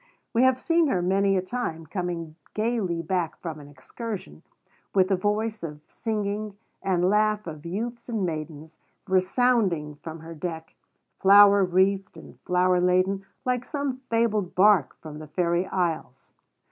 We have seen her many a time coming gayly back from an excursion, with the voice of singing, and laugh of youths and maidens, resounding from her deck, flower wreathed and flower laden like some fabled bark from the fairy isles.